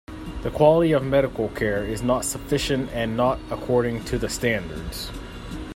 The quality of medical care is not sufficient and not according to the standards.